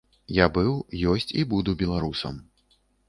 Я быў, ёсць і буду беларусам.